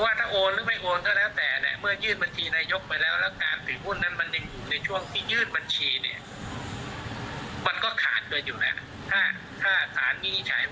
มันก็ขาดกันอยู่แล้วถ้าขานี่ใช้ว่าเป็นลักษณะต้องห้าม